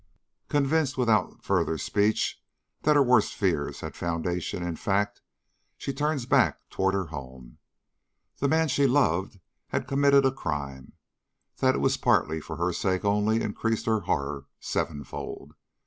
'" "Convinced without further speech, that her worst fears had foundation in fact, she turns back toward her home. The man she loved had committed a crime. That it was partly for her sake only increased her horror sevenfold.